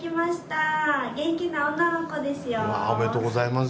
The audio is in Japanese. うわおめでとうございます。